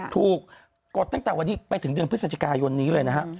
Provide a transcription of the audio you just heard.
กดตั้งแต่วันนี้ไปถึงเดือนพฤศจิกายนนี้เลยนะฮะ